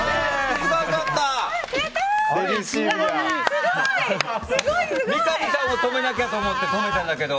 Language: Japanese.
すごい、すごい！三上さんを止めなきゃと思って止めたんだけど。